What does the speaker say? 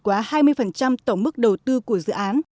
quá hai mươi tổng mức đầu tư của dự án